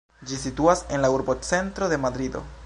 Ĝi situas en la urbocentro de Madrido.